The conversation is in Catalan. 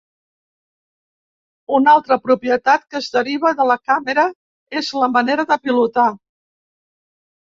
Una altra propietat que es deriva de la càmera és la manera de pilotar.